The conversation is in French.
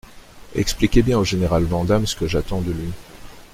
Expliquez bien au général Vandamme ce que j'attends de lui.